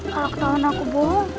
kalau ketahuan aku bohong